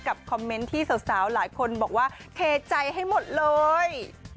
คอมเมนต์ที่สาวหลายคนบอกว่าเทใจให้หมดเลย